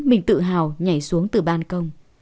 mình tự hào nhảy xuống từ ban công